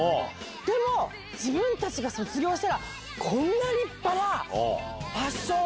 でも自分たちが卒業したらこんな立派なファッション。